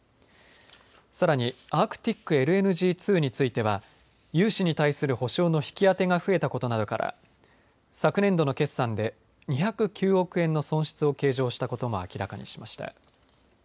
さらに、アークティックＬＮＧ２については融資に対する保証の引き当てが増えたことなどから昨年度の決算で２０９億円の喪失を計上したことも明らかにしました。